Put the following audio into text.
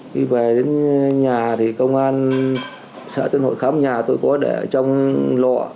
khi về đến nhà thì công an xã tuyên hội khám nhà tôi có để trong lọ